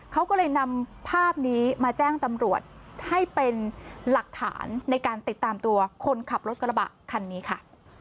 เขาก็เลยนำภาพนี้มาแจ้งตำรวจให้เป็นหลักฐานในการติดตามตัวคนขับรถกระบะคันนี้ค่ะ